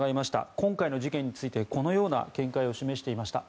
今回の事件についてこのような見解を示していました。